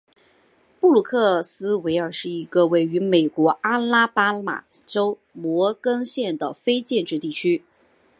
布鲁克斯维尔是一个位于美国阿拉巴马州摩根县的非建制地区。